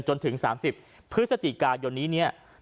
จนถึง๓๐พฤศจิกายนนี้